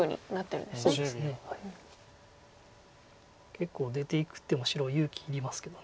結構出ていく手も白は勇気いりますけど。